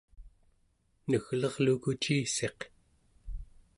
neglerluku ciissiq